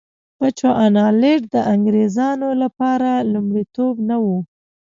بچوانالنډ د انګرېزانو لپاره لومړیتوب نه و.